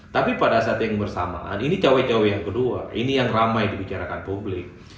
tapi pada saat yang bersamaan ini cawe cawe yang kedua ini yang ramai dibicarakan publik